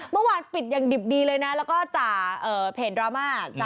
เมื่อวานปิดอย่างดิบดีเลยนะแล้วก็จ่าเพจดราม่า